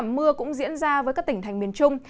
mưa cũng diễn ra với các tỉnh thành miền trung